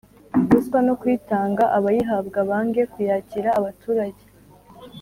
ruswa no kuyitanga. Abayihabwa bange kuyakira, abaturage